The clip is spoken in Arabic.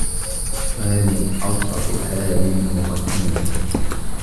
وَهَذِهِ أَوْسَطُ حَالِ الْمُقْتَنِعِ